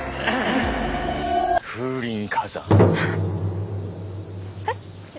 えっ？